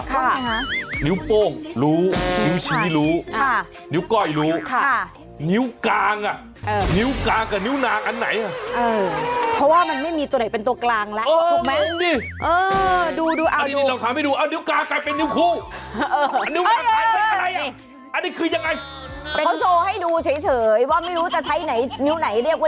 ค่ะอย่างไรคะนิ้วโป้งรู้นิ้วชีรู้นิ้วก้อยรู้